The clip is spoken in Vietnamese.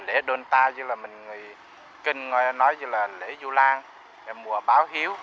lễ sendonta như là người kinh nói như là lễ vô lan mùa báo hiếu